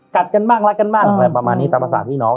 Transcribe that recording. กันบ้างรักกันบ้างอะไรประมาณนี้ตามภาษาพี่น้อง